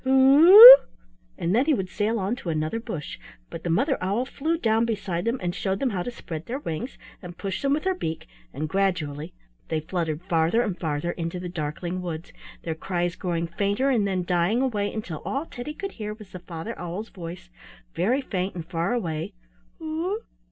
Who o o o!" and then he would sail on to another bush; but the Mother Owl flew down beside them and showed them how to spread their wings, and pushed them with her beak, and gradually the fluttered farther and farther into the darkling woods, their cries growing fainter and then dying away until all Teddy could hear was the Father Owl's voice, very faint and far away. "Who o o!